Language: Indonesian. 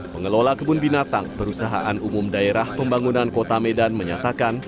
pengelola kebun binatang perusahaan umum daerah pembangunan kota medan menyatakan